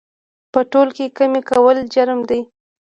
په تول کې کمي کول جرم دی